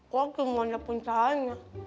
kalau gimana pun caranya